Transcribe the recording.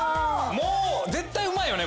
もう絶対うまいよね